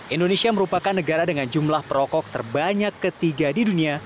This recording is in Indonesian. indonesia merupakan negara dengan jumlah perokok terbanyak ketiga di dunia